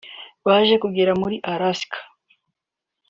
baje kugera muri Alaska